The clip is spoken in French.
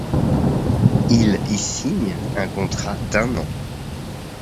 Il y signe un contrat d'un an.